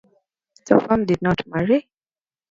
Topham did not marry.